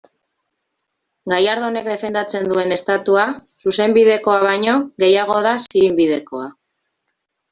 Gallardonek defendatzen duen Estatua, zuzenbidekoa baino, gehiago da zirinbidekoa.